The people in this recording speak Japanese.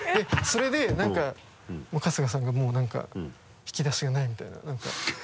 それで何か春日さんがもう何か「引き出しがない」みたいな何か。